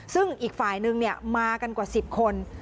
ซึ่งอีกฝ่ายนึงมากันกว่า๑๐คน